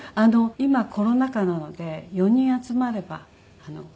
今コロナ禍なので４人集まれば静かに。